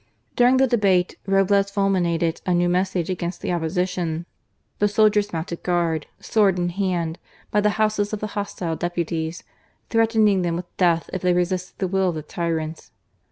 During the debate, Roblez fulminated a new message against the Opposition. The soldiers mounted guard, sword in hand, by the houses of the hostile deputies, threatening them with death if they resisted the will of the tyrants.